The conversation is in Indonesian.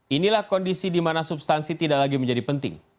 inilah kondisi dimana substansi tidak lagi menjadi penting